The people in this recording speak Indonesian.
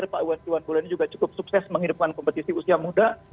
pak iwan buleni juga cukup sukses menghidupkan kompetisi usia muda